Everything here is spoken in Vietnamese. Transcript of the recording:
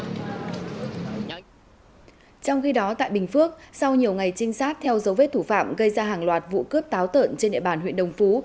trong khi đó tại bình phước sau nhiều ngày trinh sát theo dấu vết thủ phạm gây ra hàng loạt vụ cướp táo tợn trên địa bàn huyện đồng phú